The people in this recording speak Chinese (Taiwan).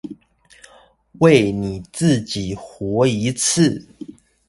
為你自己活一次